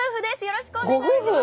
よろしくお願いします！